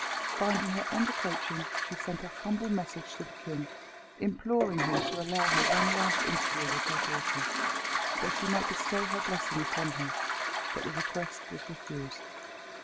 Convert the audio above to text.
Finding her end approaching, she sent a humble message to the king, imploring him to allow her one last interview with her daughter, that she might bestow her blessing upon her; but the request was refused.